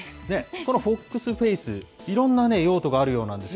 このフォックスフェイス、いろんな用途があるようなんですよ。